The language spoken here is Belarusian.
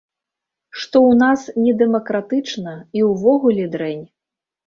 Што ў нас недэмакратычна, і ўвогуле дрэнь.